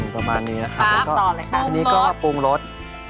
ประมาณนี้นะครับตอนนี้ก็ปรุงรส